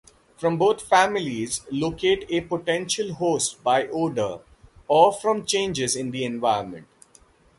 Both families locate a potential host by odour or from changes in the environment.